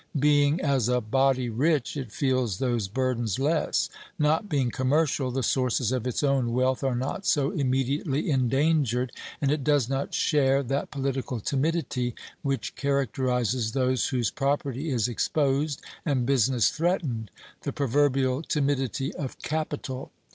Being as a body rich, it feels those burdens less. Not being commercial, the sources of its own wealth are not so immediately endangered, and it does not share that political timidity which characterizes those whose property is exposed and business threatened, the proverbial timidity of capital.